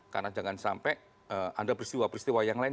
karena jangan sampai ada peristiwa peristiwa yang lain